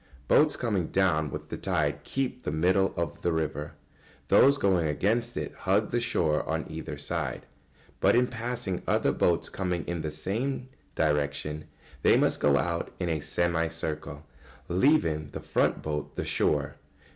] Boats coming down with the tide keep the middle of the river; those going against it hug the shore on either side, but in passing other boats coming in the same direction they must go out in a semicircle, leaving the front boat the shore.